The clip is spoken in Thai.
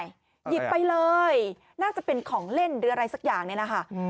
หยิบไปเลยน่าจะเป็นของเล่นหรืออะไรสักอย่างนี่แหละค่ะ